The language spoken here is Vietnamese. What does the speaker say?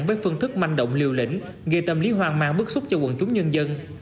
với phương thức manh động liều lĩnh gây tâm lý hoang mang bức xúc cho quần chúng nhân dân